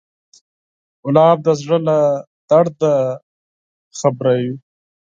ګلاب د زړه له درده خبروي.